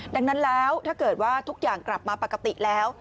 ดังนั้นแล้วถ้าเกิดว่าทุกอย่างกลับมาปกติแล้ว